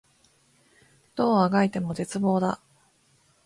どう足掻いても絶望だ